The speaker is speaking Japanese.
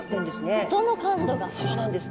そうなんです。